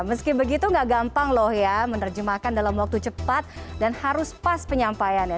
meski begitu gak gampang loh ya menerjemahkan dalam waktu cepat dan harus pas penyampaiannya